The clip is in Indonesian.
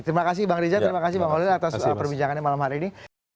terima kasih bank riza terima kasih bank walid atas perbincangannya malam hari ini